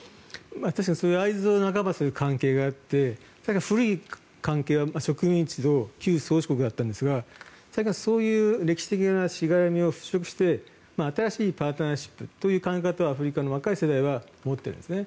確かにそういう関係があって古い関係では植民地と旧宗主国だったんですがそういう歴史的なしがらみを払しょくして新しいパートナーシップという考え方をアフリカの若い世代は持っているんですね。